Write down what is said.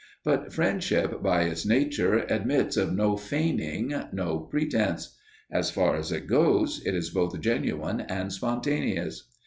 But friendship by its nature admits of no feigning, no pretence: as far as it goes it is both genuine and spontaneous.